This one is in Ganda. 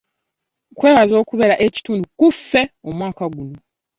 Nkwebaza okubeera ekitundu ku ffe omwaka guno.